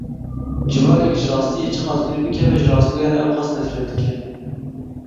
Civakek ji rastiyê çi qas dûr bikeve, ji rastgoyan ew qas nefret dike.